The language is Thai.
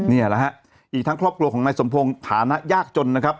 อีกทั้งครอบครัวของในสมพงศ์ภานะยากจนนะครับ